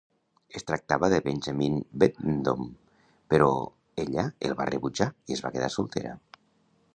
Es tractava de Benjamin Beddome, però ella el va rebutjar i es va quedar soltera.